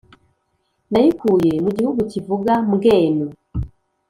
Nayikuye mu gihugu kivuga mbwenu.